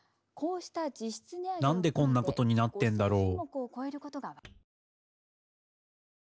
何でこんなことになってんだろう？